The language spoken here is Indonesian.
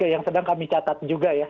yang sedang kami catat juga ya